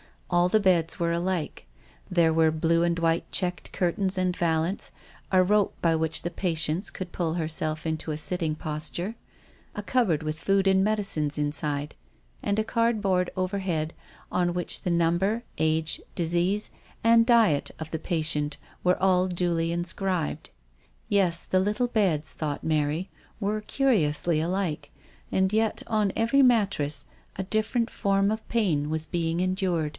All the beds were alike ; there were blue and white check cur tains and vallance, a rope by which the patient could pull herself into a sitting posture, a cupboard with food and medicines inside, and a cardboard overhead, on which the num ber, age, disease, and diet of the patient were all duly inscribed. Yes, the little beds, thought Mary, were curiously alike, and yet on every mattress a different form of pain was being endured.